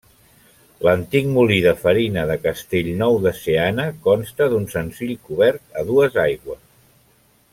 L'antic molí de farina de Castellnou de Seana consta d'un senzill cobert a dues aigües.